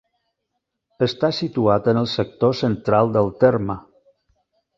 Està situat en el sector central del terme.